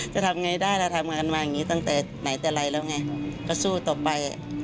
จะทำไงได้เราทำงานมาอย่างนี้ตั้งแต่ไหนแต่ไรแล้วไงก็สู้ต่อไป